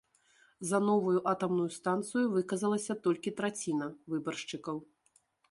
За новую атамную станцыю выказалася толькі траціна выбаршчыкаў.